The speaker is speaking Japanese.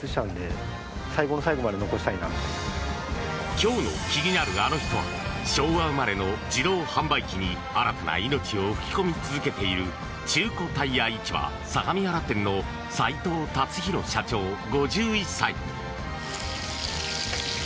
今日の気になるアノ人は昭和生まれの自動販売機に新たな命を吹き込み続けている中古タイヤ市場相模原店の齋藤辰洋社長、５１歳。